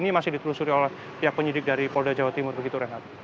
ini masih ditelusuri oleh pihak penyidik dari polda jawa timur begitu renhard